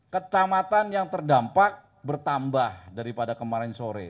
kecamatan yang terdampak bertambah daripada kemarin sore